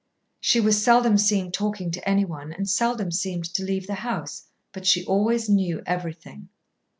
She was seldom seen talking to anyone and seldom seemed to leave the house, but she always knew everything.